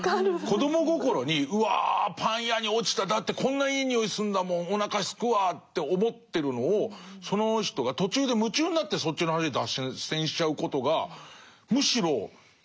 子ども心にうわパン屋に落ちただってこんないい匂いするんだもんおなかすくわって思ってるのをその人が途中で夢中になってそっちの話に脱線しちゃうことがむしろ悲惨の方も分かるというか。